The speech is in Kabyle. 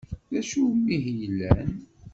D acu n umihi yellan?